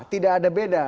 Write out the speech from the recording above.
tidak ada beda